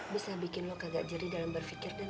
bisa bikin lo kagak jerih dalam berfikir dan memilai